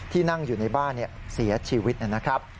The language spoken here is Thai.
นั่งอยู่ในบ้านเสียชีวิตนะครับ